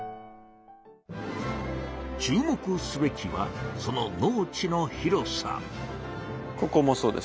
注目すべきはその農地の広さ。